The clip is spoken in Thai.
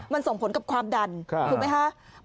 มันส่งผลกับความดันถูกไหมคะ